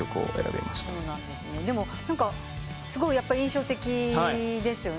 でもすごい印象的ですよね。